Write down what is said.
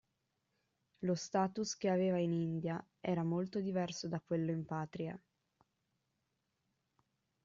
Lo status che aveva in India era molto diverso da quello in patria.